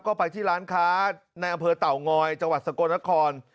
ก็ไปที่ร้านค้าในอำเภอเต่างอยจังหวัดสกลนคร